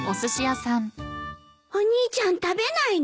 お兄ちゃん食べないの？